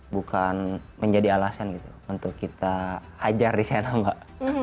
bukan menjadi alasan gitu untuk kita hajar di sana mbak